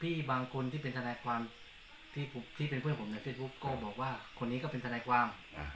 บางคนที่เป็นทนายความที่เป็นเพื่อนผมในเฟซบุ๊คก็บอกว่าคนนี้ก็เป็นทนายความ